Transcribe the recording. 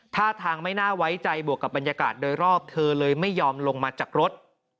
ท่าทางไม่น่าไว้ใจบวกกับบรรยากาศโดยรอบเธอเลยไม่ยอมลงมาจากรถ